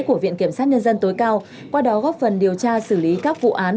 của viện kiểm sát nhân dân tối cao qua đó góp phần điều tra xử lý các vụ án